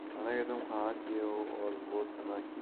مانا کہ تم کہا کیے اور وہ سنا کیے